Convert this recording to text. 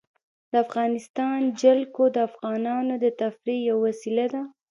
د افغانستان جلکو د افغانانو د تفریح یوه وسیله ده.